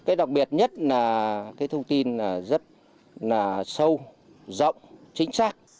cái đặc biệt nhất là cái thông tin rất là sâu rộng chính xác